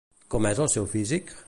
Com és el seu físic?